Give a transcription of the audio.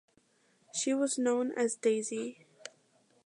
She was known as Daisy.